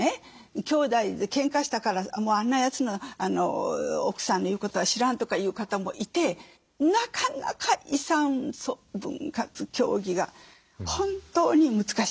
「兄弟でけんかしたからあんなやつの奥さんの言うことは知らん」とか言う方もいてなかなか遺産分割協議が本当に難しい。